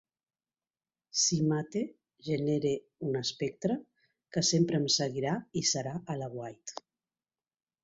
Si mate, genere un espectre, que sempre em seguirà i serà a l'aguait.